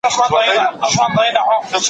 تاوتریخوالی ټولنیز ثبات ته زیان رسوي.